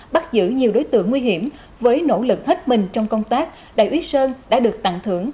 bắt giữ nhiều đối tượng nguy hiểm với nỗ lực hết mình trong công tác đại úy sơn đã được tặng thưởng